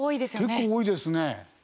結構多いですね。